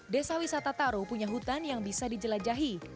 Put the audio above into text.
desa wisata taro punya hutan yang bisa dijelajahi